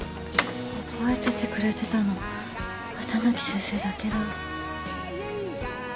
覚えててくれてたの綿貫先生だけだ。